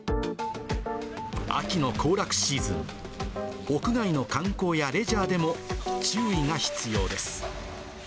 秋の行楽シーズン、屋外の観光やレジャーでも注意が必要です。